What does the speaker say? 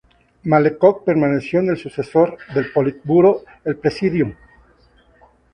Malenkov permaneció en el sucesor del Politburó, el Presidium.